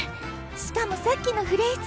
しかもさっきのフレーズ。